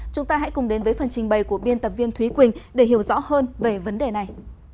chúng ta hãy cùng đến với phần trình bày của biên tập viên thúy quỳnh để hiểu rõ hơn về vấn đề này